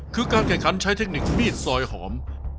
คือการแข่งขันใช้เทคนิคมีดซอยหอม